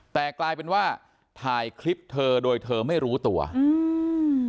แต่กลายเป็นว่าถ่ายคลิปเธอโดยเธอไม่รู้ตัวอืม